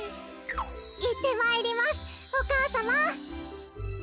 いってまいりますお母さま。